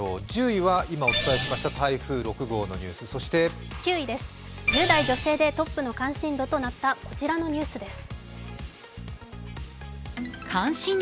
１０位は台風の６号のニュース９位、１０代女性でトップの関心度となったこちらのニュースです。